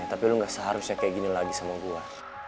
tapi lu gak seharusnya kayak gini lagi sama gue